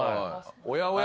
おやおや？